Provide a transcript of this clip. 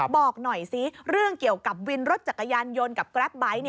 บอกหน่อยซิเรื่องเกี่ยวกับวินรถจักรยานยนต์กับแกรปไบท์